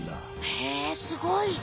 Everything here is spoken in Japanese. へえすごい！